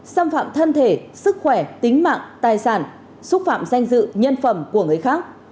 xâm phạm thân thể sức khỏe tính mạng tài sản xúc phạm danh dự nhân phẩm của người khác